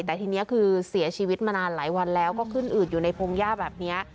แต่ทีนี้คือเสียชีวิตมานานหลายวันแล้วก็ขึ้นอืดอยู่ในพงหญ้าแบบนี้